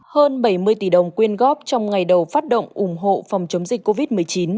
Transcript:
hơn bảy mươi tỷ đồng quyên góp trong ngày đầu phát động ủng hộ phòng chống dịch covid một mươi chín